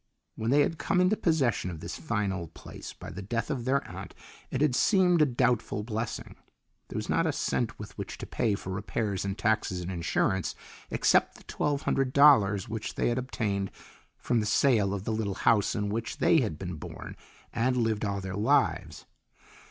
When they had come into possession of this fine old place by the death of their aunt it had seemed a doubtful blessing. There was not a cent with which to pay for repairs and taxes and insurance, except the twelve hundred dollars which they had obtained from the sale of the little house in which they had been born and lived all their lives.